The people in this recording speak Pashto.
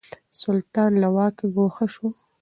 سلطان له واکه ګوښه شو.